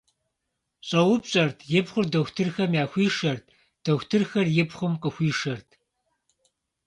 Щӏэупщӏэрт, и пхъур дохутырхэм яхуишэрт, дохутырхэр и пхъум къыхуишэрт.